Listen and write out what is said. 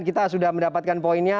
kita sudah mendapatkan poinnya